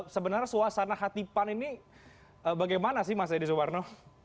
sebenarnya suasana khatipan ini bagaimana sih mas adi soebarno